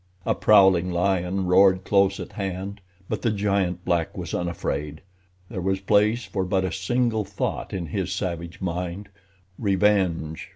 A prowling lion roared close at hand; but the giant black was unafraid. There was place for but a single thought in his savage mind—revenge!